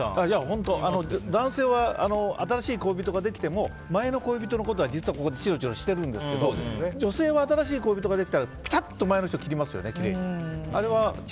本当、男性は新しい恋人ができても前の恋人のことがチラチラしてるんですけど女性は新しい恋人ができたら前の人切りますよね。